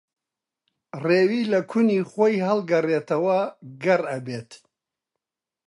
ڕێوی لە کونی خۆی ھەڵگەڕێتەوە گەڕ ئەبێت